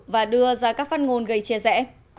và đưa ra các phát ngôn gây chia rẽ